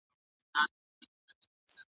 پاک کالي اغوستل پر انسان ښه لګیږي.